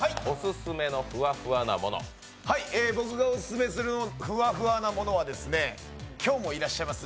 僕がオススメするフワフワなものは今日もいらっしゃいます